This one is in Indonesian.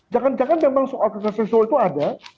jangan jangan memang soal kekerasan seksual itu ada